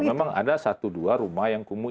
memang ada satu dua rumah yang kumuh